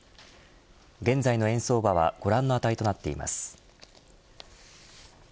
現在の円相場はご覧の値となっています。